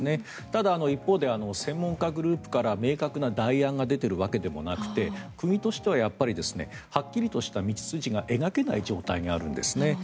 ただ、一方で専門家グループから明確な代案が出ているわけでもなくて国としてははっきりとした道筋が描けない状態にあるんですね。